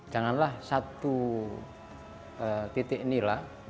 janganlah satu titik inilah